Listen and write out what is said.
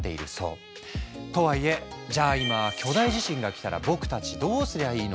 とはいえじゃあ今巨大地震が来たら僕たちどうすりゃいいの？